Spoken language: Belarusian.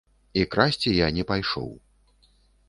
І красці я не пайшоў.